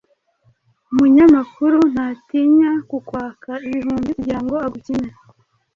Umunyamakuru ntatinya kukwaka ibihumbi kugirango agukine